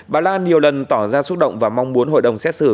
bà lan nhiều lần tỏ ra xúc động và mong muốn hội đồng xét xử